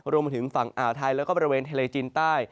มาถึงฝั่งอ่าวไทยแล้วก็บริเวณทะเลจีนใต้